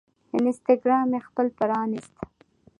انسټاګرام مې خپل راپرانیست